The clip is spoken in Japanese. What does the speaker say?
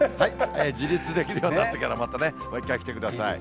自立できるようになってからまたね、もう一回来てください。